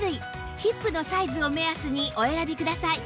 ヒップのサイズを目安にお選びください